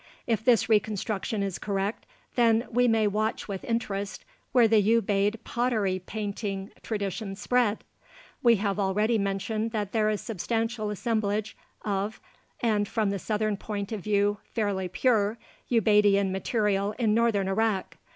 If this reconstruction is correct then we may watch with interest where the Ubaid pottery painting tradition spread. We have already mentioned that there is a substantial assemblage of (and from the southern point of view, fairly pure) Ubaidian material in northern Iraq.